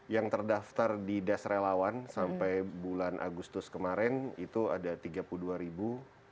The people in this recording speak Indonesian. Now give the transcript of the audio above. yang terdaftar di des relawan sampai bulan agustus kemarin itu ada tiga puluh dua ribu